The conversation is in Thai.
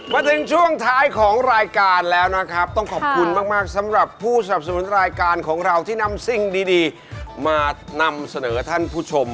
มาถึงช่วงท้ายของรายการแล้วนะครับต้องขอบคุณมากสำหรับผู้สนับสนุนรายการของเราที่นำสิ่งดีมานำเสนอท่านผู้ชม